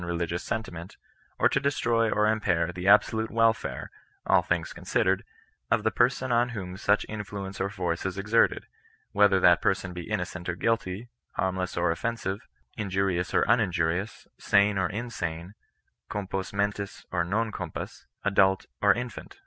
religious seTitiment, or to destroy or impair the absolute nvelfare, all things considered, of the person on whom such influence or force is exerted ; whether that person be innocent or guilty, harmless or offensive, injurious or uninjurious, sane or insane, compos mentis or non compos^ :adult or infant.